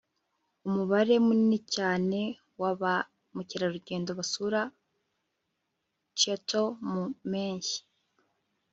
umubare munini cyane wa ba mukerarugendo basura kyoto mu mpeshyi